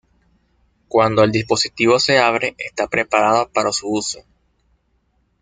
Cuando el dispositivo se abre, está preparado para su uso.